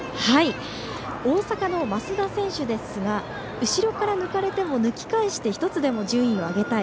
大阪の増田選手ですが後ろから抜かれても抜き返して１つでも順位を上げたい。